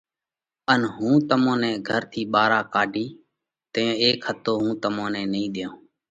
ان هُون تمون نئہ گھر ٿِي ٻارا ڪاڍِيه، تئيون اي کٿو هُون تمون نئہ ۮِيه۔